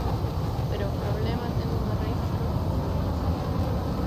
Pero o problema ten unhas raíces moi profundas.